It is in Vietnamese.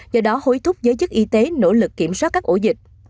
do đó hối thúc giới chức y tế nỗ lực kiểm soát các ổ dịch